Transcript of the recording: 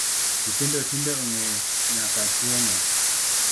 Nyithindo tinde ong’e nyaka tueng’o